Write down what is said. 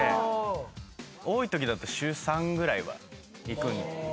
多いときだと週３ぐらいは行くんですよ。